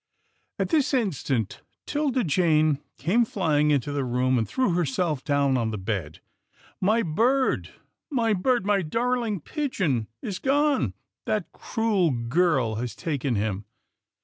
At this instant, 'Tilda Jane came flying into the room, and threw herself down on the bed, " My bird, my bird, my darling pigeon is gone — That cruel girl has taken him.